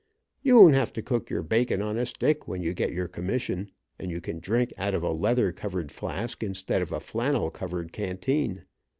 You won't have to cook your bacon on a stick when you get your commsssion, and you can drink out of a leather covered flask instead of a flannel covered canteen.